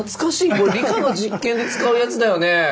これ理科の実験で使うやつだよね。